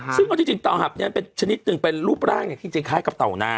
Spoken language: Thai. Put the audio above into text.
ซึ่งจริงเตาหับนี้เป็นชนิดหนึ่งเป็นรูปร่างอย่างที่จะคล้ายกับเตาหน้า